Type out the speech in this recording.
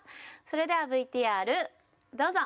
それではＶＴＲどうぞ！